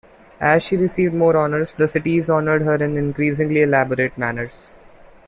As she received more honours, the cities honoured her in increasingly elaborate manners.